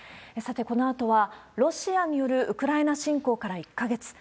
さて、このあとは、ロシアによるウクライナ侵攻から１か月。